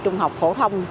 trung học phổ thông